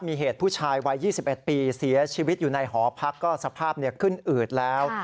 มีเหตุผู้ชายวัย๒๑ปีเสียชีวิตอยู่ในหอพักก็สภาพขึ้นอืดแล้ว